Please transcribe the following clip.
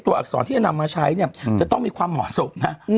อักษรที่จะนำมาใช้เนี่ยจะต้องมีความเหมาะสมนะ